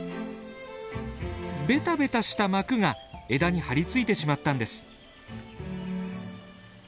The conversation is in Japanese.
べたべたした膜が枝にはりついてしまったんです。